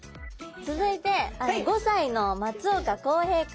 続いて５歳の松岡晃平君です。